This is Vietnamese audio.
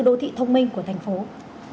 đô thị thông minh của tp hcm